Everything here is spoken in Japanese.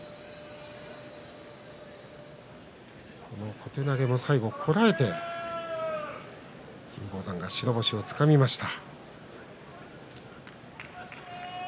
小手投げも最後、こらえて金峰山が白星をつかみました。